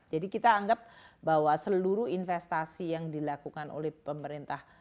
jadi kita anggap bahwa seluruh investasi yang dilakukan oleh pnp